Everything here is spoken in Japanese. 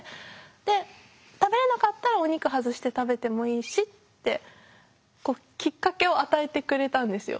で食べれなかったらお肉外して食べてもいいしってきっかけを与えてくれたんですよ。